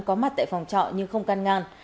có mặt tại phòng trọ nhưng không căn ngăn